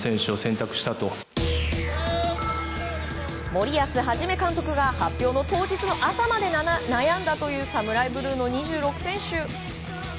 森保一監督が発表の当日の朝まで悩んだというサムライブルーの２６選手。